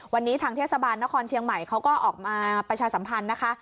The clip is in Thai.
วันนี้ทางเทศบาลนครเชียงใหม่เขาก็ออกมาประชาสัมพันธ์นะคะ